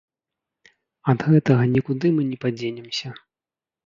Ад гэтага нікуды мы не падзенемся.